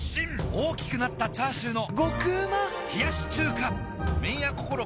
大きくなったチャーシューの麺屋こころ